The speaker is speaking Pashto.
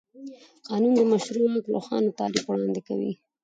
قانون د مشروع واک روښانه تعریف وړاندې کوي.